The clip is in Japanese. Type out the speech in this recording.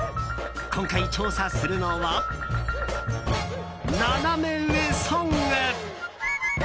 今回、調査するのはナナメ上ソング。